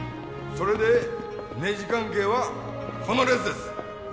それでネジ関係はこの列です